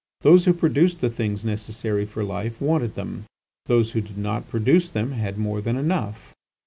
Those who produced the things necessary for life, wanted them; those who did not produce them had more than enough.